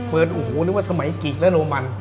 โอ้โหนึกว่าสมัยกิกและโรมัน